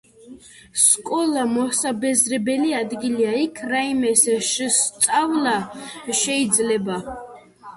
სკოლა მოსაბეზრებელი ადგილია, იქ რაიმეს შსწავლა შეიძლება